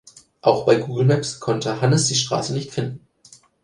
Auch bei Google Maps konnte Hannes die Straße nicht finden.